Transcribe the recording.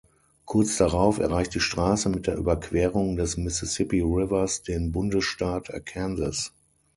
Kurz darauf erreicht die Straße mit der Überquerung des Mississippi Rivers den Bundesstaat Arkansas.